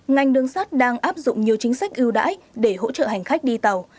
ngành đường sắt đang áp dụng nhiều chính sách ưu đãi để hỗ trợ hành khách đi tàu